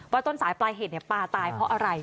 ว่าต้นสายปลายเหตุเนี่ยปลาตายเพราะอะไร